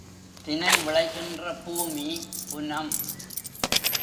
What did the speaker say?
தினை விளைகின்ற பூமி புனம்.